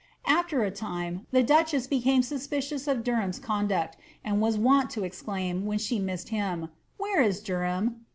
After a time, the duchess became suspicious of DerhamV condact. and was wont to exclaim, when she missed him, *^ Where is Derfatm?